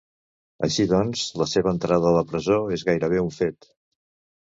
Així doncs, la seva entrada a la presó és gairebé un fet.